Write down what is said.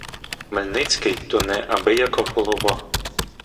Хмельницький — то неабияка голова.